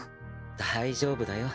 大丈夫だよ。